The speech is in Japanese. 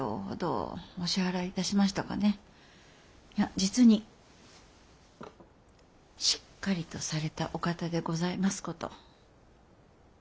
実にしっかりとされたお方でございますこと。